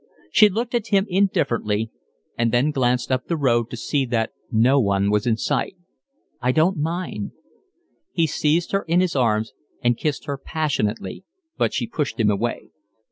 She looked at him indifferently and then glanced up the road to see that no one was in sight. "I don't mind." He seized her in his arms and kissed her passionately, but she pushed him away.